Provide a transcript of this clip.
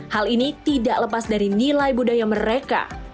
hal ini tidak lepas dari nilai budaya mereka